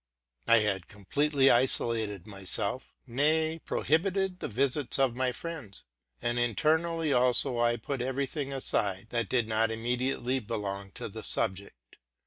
J had completely isolated myself, nay, prohibited the visits of my friends ; and internally also I put every thing aside that did not immediately belong to the subject.